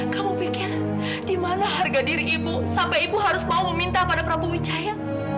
kamu pikir di mana harga diri ibu sampai ibu harus mau meminta pada prabu wicaya